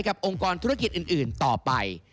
องค์กรธุรกิจอื่นต่อไป